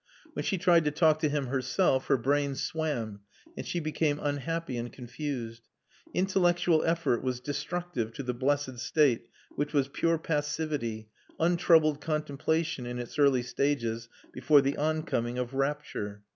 When she tried to talk to him herself her brain swam and she became unhappy and confused. Intellectual effort was destructive to the blessed state, which was pure passivity, untroubled contemplation in its early stages, before the oncoming of rapture.